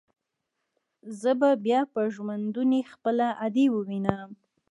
زه به بيا په ژوندوني خپله ادې ووينم.